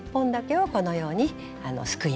はい。